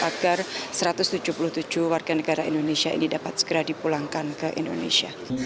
kita harus segera kuat agar satu ratus tujuh puluh tujuh wni ini dapat segera dipulangkan ke indonesia